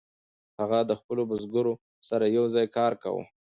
هغه د خپلو بزګرو سره یوځای کار کاوه.